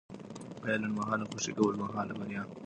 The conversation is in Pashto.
ایا لنډمهاله خوښي که اوږدمهاله بریا؟